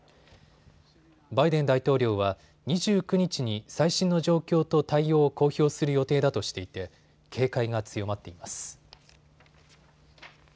バイデン大統領は２９日に最新の状況と対応を公表する予定だとしていて警戒が強まっています。